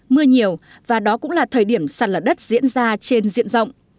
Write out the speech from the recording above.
mưa nhiều và đó cũng là thời điểm sạt lở đất diễn ra trên diện rộng